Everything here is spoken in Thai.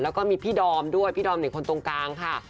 แล้วก็มีพี่ดอมด้วยพี่ดอมเนี่ยคนตรงกลางค่ะ